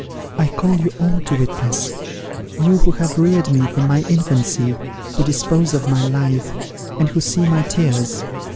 I call you all to witness; you who have reared me from my infancy, who dispose of my life, and who see my tears.